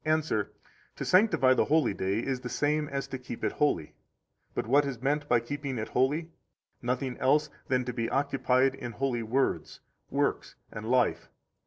answer: To sanctify the holy day is the same as to keep it holy. But what is meant by keeping it holy? Nothing else than to be occupied in holy words, works, and life.